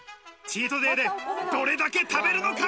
チートデイでどれだけ食べるのか？